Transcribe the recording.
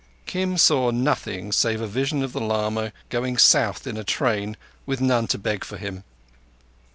Kim saw nothing save a vision of the lama going south in a train with none to beg for him.